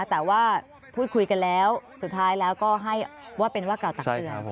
แต่ว่าพูดคุยกันแล้วสุดท้ายแล้วก็ให้ว่าเป็นว่ากล่าวตักเตือน